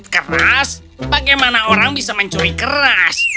keras bagaimana orang bisa mencuri keras